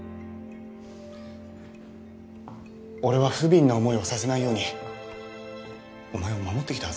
俺は不憫な思いをさせないようにお前を守ってきたはずだ。